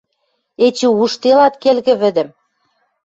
Эче ужделат келгӹ вӹдӹм